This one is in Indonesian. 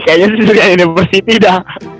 kayaknya surya university dah